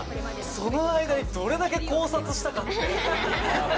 その間にどれだけ考察したかって。